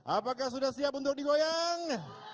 apakah sudah siap untuk digoyang